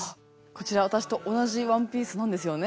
こちら私と同じワンピースなんですよね？